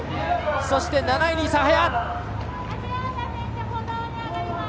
そして、７位に諫早。